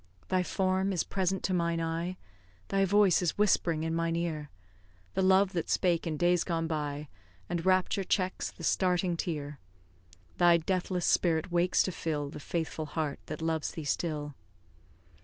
Thy form is present to mine eye, Thy voice is whispering in mine ear, The love that spake in days gone by; And rapture checks the starting tear. Thy deathless spirit wakes to fill The faithful heart that loves thee still.